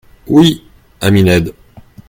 —Oui, ami Ned.